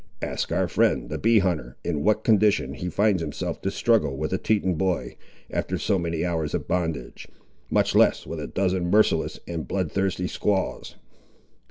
Ask our friend, the bee hunter, in what condition he finds himself to struggle with a Teton boy, after so many hours of bondage; much less with a dozen merciless and bloodthirsty squaws!"